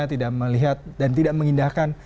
tidak melihat dan tidak mengindahkan